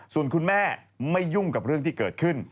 ส่วนคุณแม่ไม่ยุ่งกับเรื่องที่เกิดขึ้น